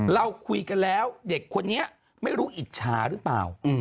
เราคุยกันแล้วเด็กคนนี้ไม่รู้อิจฉาหรือเปล่า